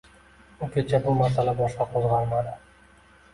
U kecha bu masala boshqa ko'zg'almadi.